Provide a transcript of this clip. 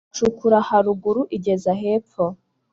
Icukura haruguru igeza hepfo,